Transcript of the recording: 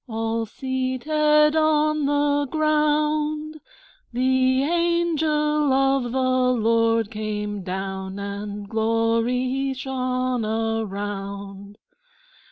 All seated on the ground, The Angel of the Lord came down, And glory shone around.